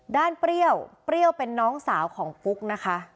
เปรี้ยวเปรี้ยวเป็นน้องสาวของฟุ๊กนะคะ